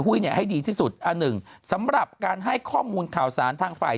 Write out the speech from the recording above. ให้ดีที่สุดอันหนึ่งสำหรับการให้ข้อมูลข่าวสารทางฝ่าย